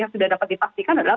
sudah dapat dipastikan adalah